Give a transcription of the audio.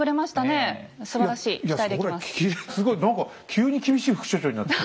すごい何か急に厳しい副所長になって。